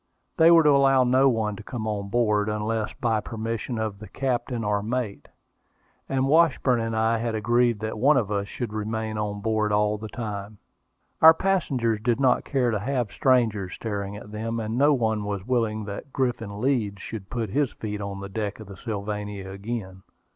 They were to allow no one to come on board, unless by permission of the captain or mate; and Washburn and I had agreed that one of us should remain on board all the time. Our passengers did not care to have strangers staring at them, and no one was willing that Griffin Leeds should put his feet on the deck of the Sylvania again.